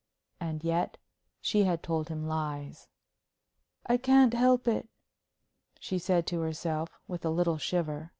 And yet she had told him lies. "I can't help it," she said to herself, with a little shiver.